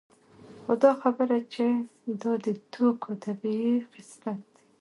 خو دا خبره چې دا د توکو طبیعي خصلت دی